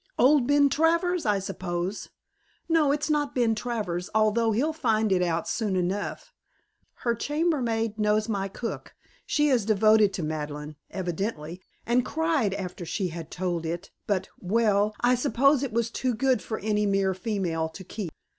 "Old Ben Travers, I suppose!" "No, it's not Ben Travers, although he'll find it out soon enough. Her chambermaid knows my cook. She is devoted to Madeleine, evidently, and cried after she had told it, but well, I suppose it was too good for any mere female to keep."